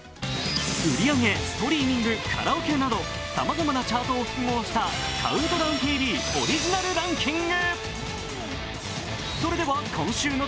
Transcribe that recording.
売り上げ、ストリーミング、カラオケなど、さまざまなチャートを複合した「ＣＤＴＶ」オリジナルランキング。